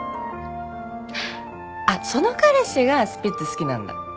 あっその彼氏がスピッツ好きなんだ。